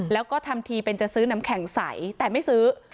แล้วก็ทำทีเป็นจะซื้อน้ำแข็งใสแต่ไม่ซื้อ